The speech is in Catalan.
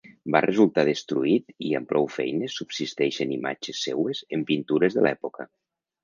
Va resultar destruït i amb prou feines subsisteixen imatges seues en pintures de l'època.